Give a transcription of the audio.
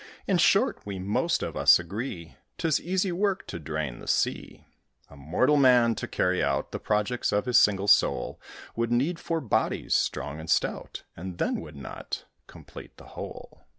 In short, we most of us agree, 'Tis easy work to drain the sea! A mortal man, to carry out The projects of his single soul, Would need four bodies, strong and stout, [Illustration: THE TWO DOGS AND THE DEAD ASS.] And then would not complete the whole.